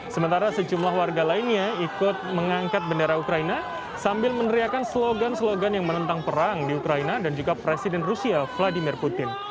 sementara sejumlah warga lainnya ikut mengangkat bendera ukraina sambil meneriakan slogan slogan yang menentang perang di ukraina dan juga presiden rusia vladimir putin